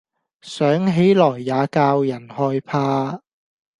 想起來也教人害怕。